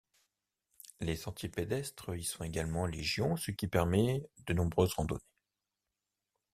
Les sentiers pédestres y sont également légion, ce qui permet de nombreuses randonnées.